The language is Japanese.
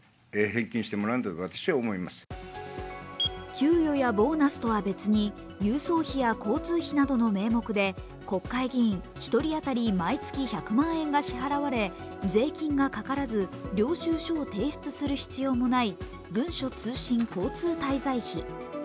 給与やボーナスとは別に郵送費や交通費などの名目で国会議員１人当たり毎月１００万円が支払われ税金がかからず領収書を提出する必要もない文書通信交通滞在費。